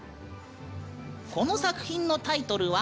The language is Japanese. この作品のタイトルは。